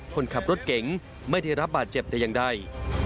คนขับรถเก๋งไม่ได้รับบาดเจ็บแต่อย่างใด